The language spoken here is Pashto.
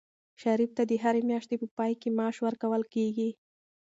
شریف ته د هرې میاشتې په پای کې معاش ورکول کېږي.